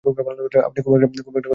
আপনি খুব একটা কথা বলার লোক নন, তাই না?